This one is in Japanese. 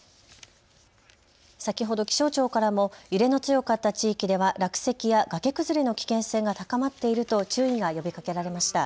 先ほど気象庁からも揺れの強かった地域では落石や崖崩れの危険性が高まっていると注意が呼びかけられました。